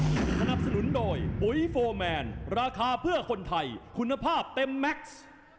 สนับสนุนโดยปุ๋ยโฟร์แมนราคาเพื่อคนไทยคุณภาพเต็มแม็กซ์